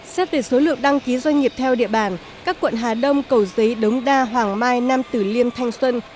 xét về số lượng đăng ký doanh nghiệp theo địa bàn các quận hà đông cầu giấy đống đa hoàng mai nam tử liêm thanh xuân